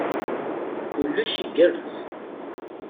Kullec igerrez.